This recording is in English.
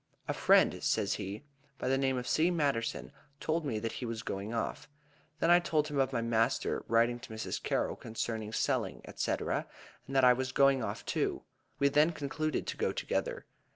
"A friend," says he, "by the name of C. Matterson, told me that he was going off. Then I told him of my master's writing to Mrs. Carroll concerning selling, etc., and that I was going off too. We then concluded to go together.